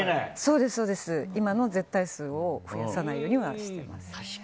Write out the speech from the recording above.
今の絶対数を増やさないようにはしてます。